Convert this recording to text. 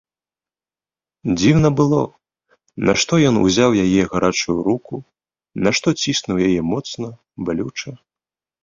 Дзіўна было, нашто ён узяў яе гарачую руку, нашто ціснуў яе моцна, балюча.